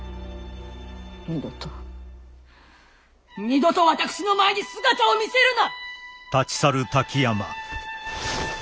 二度と二度と私の前に姿を見せるな！